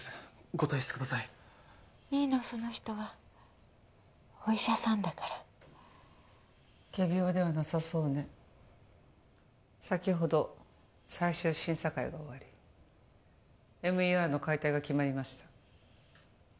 ご退室くださいいいのその人はお医者さんだから仮病ではなさそうね先ほど最終審査会が終わりＭＥＲの解体が決まりました